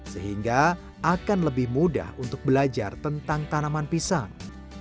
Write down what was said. sehingga akan lebih mudah untuk belajar tentang tanaman pisang